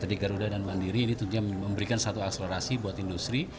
program garuda dan bank mandiri ini memberikan satu akselerasi buat industri